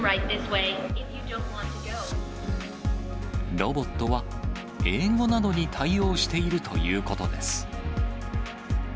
ロボットは、英語などに対応しているということです。